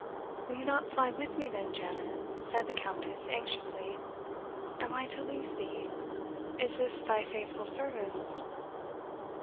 "Will you not fly with me, then, Janet?" said the Countess, anxiously. "Am I to lose thee? Is this thy faithful service?"